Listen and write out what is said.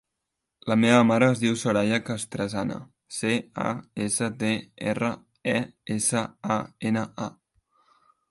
La meva mare es diu Soraya Castresana: ce, a, essa, te, erra, e, essa, a, ena, a.